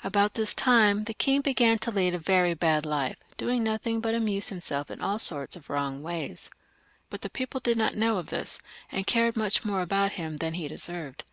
At about this time the king began to lead a very bad life, doing nothiag but amuse himself in all sorts of wrong ways. But the people did not know of this, and cared much more about him than he deserved.